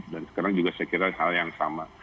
dan sekarang juga saya kira hal yang sama